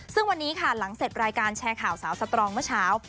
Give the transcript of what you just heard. ซึ่งวันนี้ค่ะหลังเสร็จรายการแชร์ข่าวสาวสตรองเมื่อเช้า